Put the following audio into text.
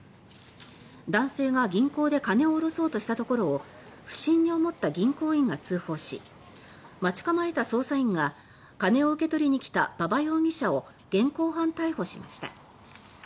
男性が銀行で金を下ろそうとしたところを不審に思った銀行員が通報し待ち構えた捜査員が金を受け取りに来た馬場容疑者を現行犯逮捕しました。